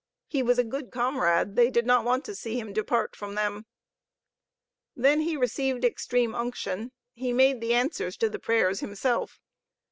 He was a good comrade, they did not want to see him depart from them. Then he received Extreme Unction. He made the answers to the prayers himself.